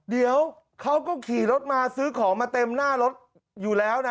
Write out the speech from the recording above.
เดี๋ยวเขาก็ขี่รถมาซื้อของมาเต็มหน้ารถอยู่แล้วนะ